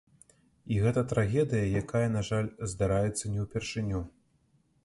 І гэта трагедыя, якая, на жаль, здараецца не ўпершыню.